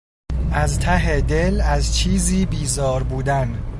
از ته دل از چیزی بیزار بودن